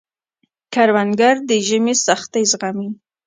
کروندګر د ژمي سختۍ زغمي